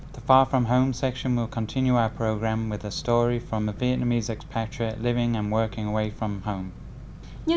như thường lệ tiểu mục nhắn gửi quê nhà sẽ kết thúc chương trình của chúng ta ngày hôm nay